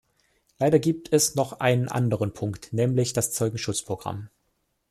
Leider gibt es noch einen anderen Punkt, nämlich das Zeugenschutzprogramm.